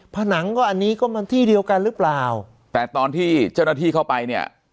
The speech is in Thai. ผนังก็อันนี้ก็มันที่เดียวกันหรือเปล่าแต่ตอนที่เจ้าหน้าที่เข้าไปเนี่ย